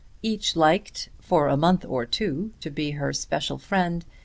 Each liked for a month or two to be her special friend.